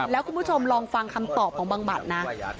แล้วคุณผู้ชมลองฟังคำตอบของบังบัตรนะ